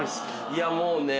いやもうね